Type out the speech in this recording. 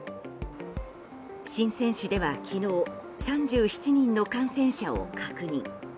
シンセン市では昨日３７人の感染者を確認。